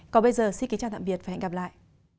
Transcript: còn bây giờ xin kính chào tạm biệt và hẹn gặp lại